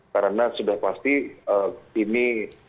karena sudah pasti ini